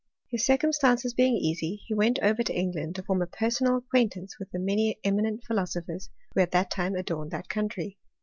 His circumstances being easy, he went oVfl England, to form a personal acquaintance wiA many eminent philosophers who at that time 'add! that country.